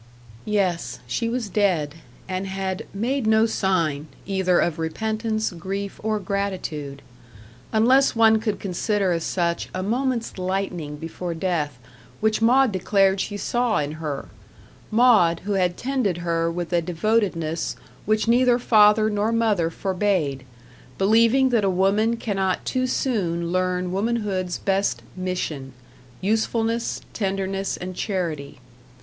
Yes, she was dead, and had "made no sign," either of repentance, grief, or gratitude. Unless one could consider as such a moment's lightening before death, which Maud declared she saw in her Maud, who had tended her with a devotedness which neither father nor mother forbade, believing that a woman cannot too soon learn womanhood's best "mission" usefulness, tenderness, and charity.